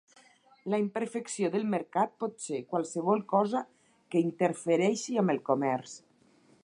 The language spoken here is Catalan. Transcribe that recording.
La imperfecció del mercat pot ser qualsevol cosa que interfereixi amb el comerç.